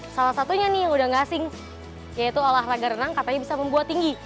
salah satunya nih yang udah gak asing yaitu olahraga renang katanya bisa membuat tinggi